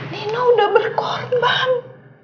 nino udah berkort bang